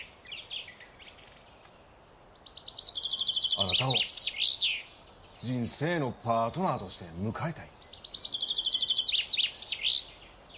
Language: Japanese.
あなたを人生のパートナーとして迎えたい。